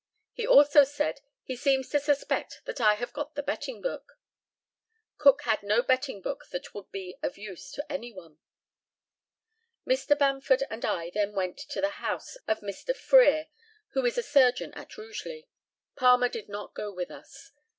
He also said, "He seems to suspect that I have got the betting book. Cook had no betting book that would be of use to anyone." Mr. Bamford and I then went to the house of Mr. Frere, who is a surgeon at Rugeley. Palmer did not go with us.